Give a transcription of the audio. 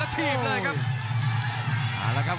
แล้วจีบเลยครับ